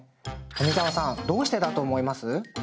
富澤さんどうしてだと思います？